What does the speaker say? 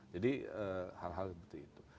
jadi hal hal seperti itu